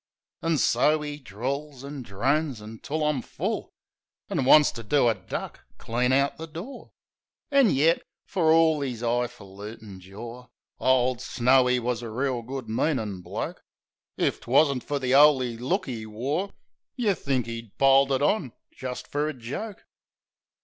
An' so 'e drawls an' drones until I'm full, An' wants to do a duck clean out the door. An' yet, fer orl 'is 'igh falutin' jor, Ole Snowy wus a reel good meanin' bloke. If 'twasn't fer the 'oly look 'e wore Yeh'd think 'e piled it on jist fer a joke.